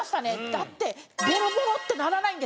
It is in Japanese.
だってボロボロってならないんですよ。